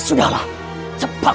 hai ini adalah rumput yang terbaik